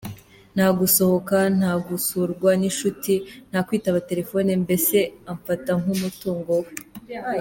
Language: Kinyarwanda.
Nta gusohoka, nta, gusurwa n’inshuti, nta kwitaba terefone, mbese amfata nk’umutungo we.